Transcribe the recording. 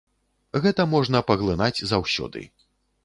Гэта можна паглынаць заўсёды.